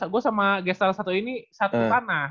gue sama gestalt satu ini satu tanah